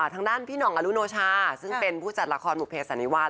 ทางด้านพี่หน่องอรุโนชาซึ่งเป็นผู้จัดละครบุเภสันนิวาล